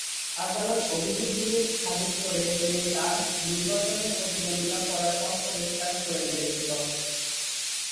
আদালত অভিযোগগুলি খারিজ করে দিয়ে তার নির্বাচনে প্রতিদ্বন্দ্বিতা করার পথ পরিষ্কার করে দিয়েছিল।